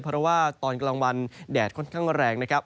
เพราะว่าตอนกลางวันแดดค่อนข้างแรงนะครับ